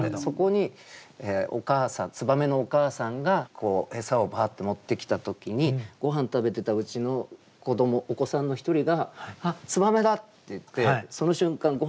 そこに燕のお母さんがこう餌をバーッて持ってきた時にごはん食べてたうちのお子さんの一人が「あっ燕だ！」って言ってその瞬間